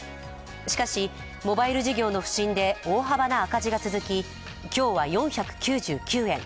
しかし、モバイル事業の不振で大幅な赤字が続き今日は４９９円。